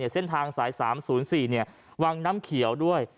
เส้นทางสาย๓๐๔วังน้ำเขียวด้วย